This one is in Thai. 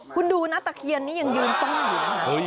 คุณดูนะตะเคียนนี้ยังยืนปั้นอยู่